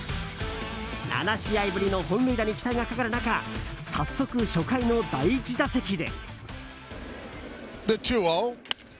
７試合ぶりの期待がかかる中早速初回の第１打席で。